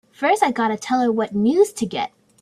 First I gotta tell her what news to get!